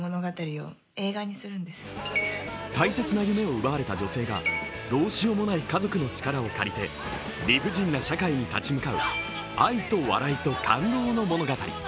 大切な夢を奪われた女性がどうしようもない家族の力を借りて理不尽な社会に立ち向かう愛と笑いと感動の物語。